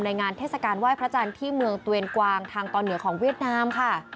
งานเทศกาลไหว้พระจันทร์ที่เมืองเกวียนกวางทางตอนเหนือของเวียดนามค่ะ